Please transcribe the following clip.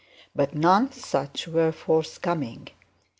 But none such was forthcoming.